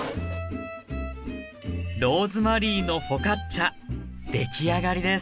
「ローズマリーのフォカッチャ」出来上がりです